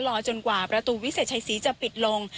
รอจนกว่าประตูวิเศษชัยศรีจะปิดลง